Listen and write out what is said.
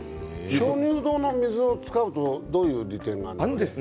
鍾乳洞の水を使うとどんな利点があるんですか？